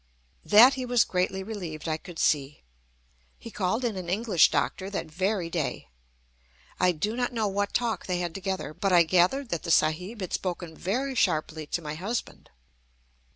That he was greatly relieved, I could see. He called in an English doctor that very day. I do not know what talk they had together, but I gathered that the Sahib had spoken very sharply to my husband.